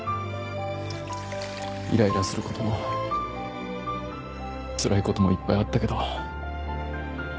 イライラする事もつらい事もいっぱいあったけど。